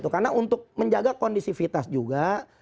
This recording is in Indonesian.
karena untuk menjaga kondisivitas juga